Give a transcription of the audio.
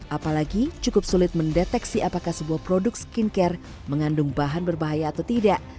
apalagi cukup sulit mendeteksi apakah sebuah produk skincare mengandung bahan berbahaya atau tidak